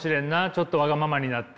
ちょっとわがままになって。